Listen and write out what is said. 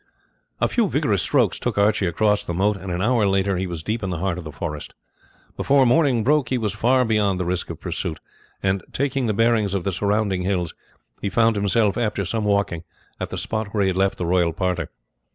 A few vigorous strokes took Archie across the moat, and an hour later he was deep in the heart of the forest. Before morning broke he was far beyond the risk of pursuit; and, taking the bearings of the surrounding hills, he found himself, after some walking, at the spot where he had left the royal party.